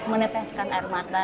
menepeskan air mata